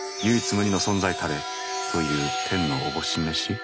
唯一無二の存在たれ」という天のおぼし召し？